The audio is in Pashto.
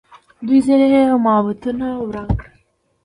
دوی ځینې معبدونه وران کړل